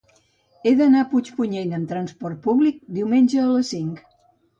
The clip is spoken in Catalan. He d'anar a Puigpunyent amb transport públic diumenge a les cinc.